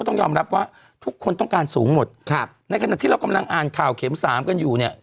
ต้องยอมรับว่าทุกคนต้องการสูงหมดครับในขณะที่เรากำลังอ่านข่าวเข็มสามกันอยู่เนี่ย